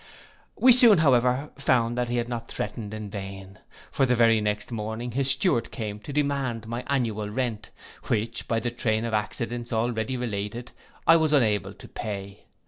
We soon, however, found that he had not threatened in vain; for the very next morning his steward came to demand my annual rent, which, by the train of accidents already related, I was unable to pay.